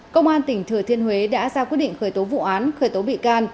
công an tỉnh thừa thiên huế đã ra quyết định khởi tố vụ án khởi tố bị can